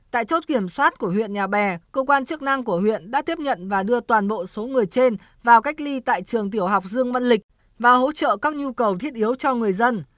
tại chốt kiểm soát của huyện nhà bè cơ quan chức năng của huyện đã tiếp nhận và đưa toàn bộ số người trên vào cách ly tại trường tiểu học dương văn lịch và hỗ trợ các nhu cầu thiết yếu cho người dân